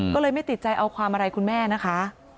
ก็เลยไม่ติดใจเอาความอะไรคุณแม่นะคะ